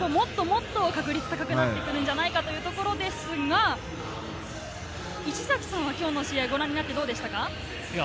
もっともっと確率が高くなってくるんじゃないかというところですが、石崎さん、今日の試合をご覧になっていかがですか？